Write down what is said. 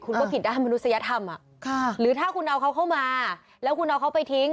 คุณก็ผิดด้านมนุษยธรรมหรือถ้าคุณเอาเขาเข้ามาแล้วคุณเอาเขาไปทิ้ง